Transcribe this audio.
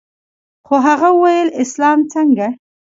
خو هغه وويل اسلام څنگه.